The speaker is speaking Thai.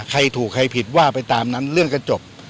ใครถูกใครผิดว่าไปตามนั้นเรื่องก็จบ